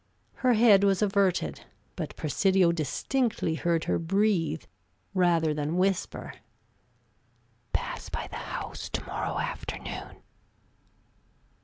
Her head was averted, but Presidio distinctly heard her breathe, rather than whisper, "Pass by the house to morrow afternoon."